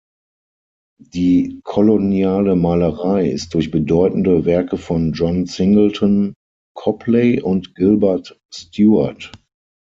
Die koloniale Malerei ist durch bedeutende Werke von John Singleton Copley und Gilbert Stuart.